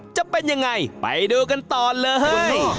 จะเป็นยังไงไปดูกันต่อเลย